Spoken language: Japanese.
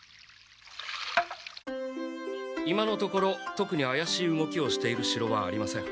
今のところとくにあやしい動きをしているしろはありません。